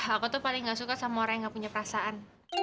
aku tuh paling gak suka sama orang yang gak punya perasaan